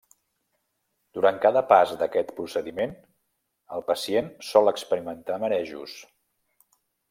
Durant cada pas d'aquest procediment el pacient sol experimentar marejos.